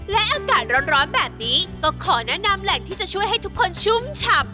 และอากาศร้อนแบบนี้ก็ขอแนะนำแหล่งที่จะช่วยให้ทุกคนชุ่มฉ่ำ